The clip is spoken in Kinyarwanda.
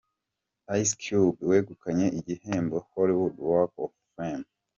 Ice Cube wegukanye igihembo ‘Hollywood Walk of Fame'.